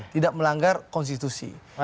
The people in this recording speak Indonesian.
tidak melanggar konstitusi